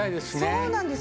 そうなんです！